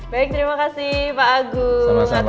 baik terima kasih pak agung atas kesempatannya